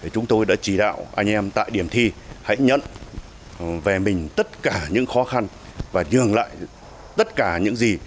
chúng tôi đã chỉ đạo anh em tại điểm thi hãy nhận về mình tất cả những khó khăn và nhường lại tất cả những gì